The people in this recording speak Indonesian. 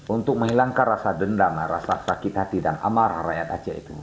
untuk menghilangkan rasa dendam rasa sakit hati dan amarah rakyat aceh itu